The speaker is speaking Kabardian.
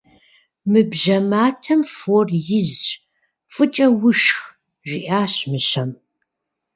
Мы бжьэ матэм фор изщ, фӏыкӏэ ушх, - жиӏащ мыщэм.